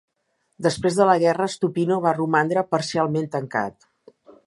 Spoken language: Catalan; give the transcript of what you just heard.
Després de la guerra, Stupino va romandre parcialment tancat.